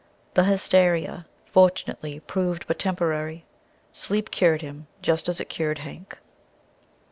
The hysteria, fortunately, proved but temporary. Sleep cured him, just as it cured Hank.